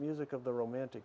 musik dari era romantik